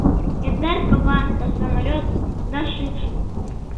Яндар кава да самолёт, да шикш…